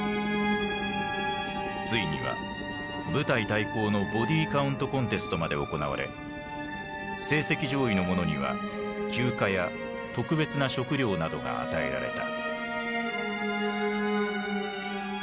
ついには部隊対抗の「ボディカウント・コンテスト」まで行われ成績上位の者には休暇や特別な食料などが与えられた。